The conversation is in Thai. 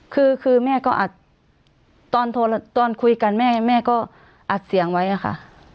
คือคือแม่ก็อัดตอนคุยกันแม่แม่ก็อัดเสียงไว้อะค่ะ